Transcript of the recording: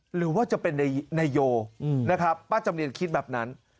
หรือว่าจะเป็นนายโยนะครับป้าจำเนียนคิดแบบนั้น